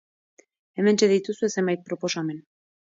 Hementxe dituzue zenbait proposamen.